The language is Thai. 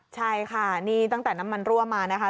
ใช่ค่ะนี่ตั้งแต่น้ำมันรั่วมานะคะ